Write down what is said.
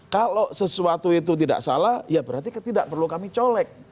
kalau sesuatu itu tidak salah ya berarti tidak perlu kami colek